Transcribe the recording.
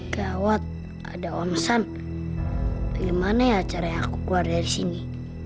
gawat ada omset bagaimana ya caranya aku keluar dari sini